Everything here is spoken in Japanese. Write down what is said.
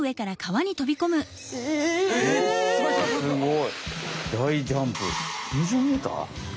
すごい！